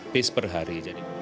bis per hari